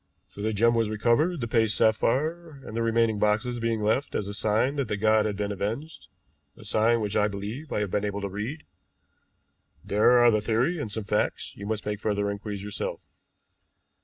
So the gem was recovered, the paste sapphire and the remaining boxes being left as a sign that the god had been avenged, a sign which I believe I have been able to read. There are the theory and some facts; you must make further inquiries yourself."